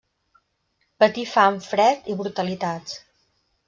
Patí fam, fred i brutalitats.